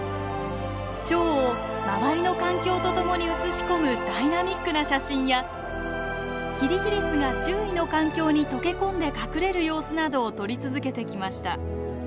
チョウを周りの環境とともに写し込むダイナミックな写真やキリギリスが周囲の環境に溶け込んで隠れる様子などを撮り続けてきました。